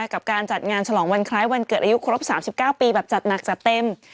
กับการจัดงานฉลองวันคล้ายวันเกิดอายุครบ๓๙ปีแบบจัดหนักจัดเต็ม